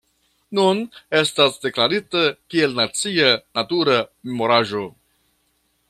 Nun estas deklarita kiel nacia natura memoraĵo.